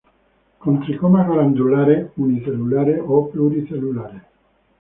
Con tricomas glandulares unicelulares o pluricelulares.